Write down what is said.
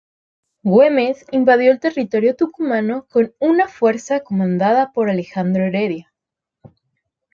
Güemes invadió el territorio tucumano con una fuerza comandada por Alejandro Heredia.